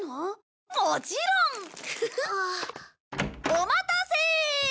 お待たせ！